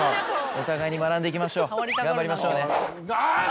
お互いに学んでいきましょう頑張りましょうね。